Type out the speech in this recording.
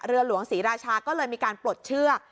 เรือหลวงศรีราชาก็เลยมีการปลดเชือก